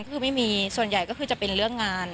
คือไม่มีส่วนใหญ่ก็คือจะเป็นเรื่องงาน